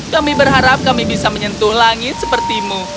kami berharap kami bisa menyentuh langit sepertimu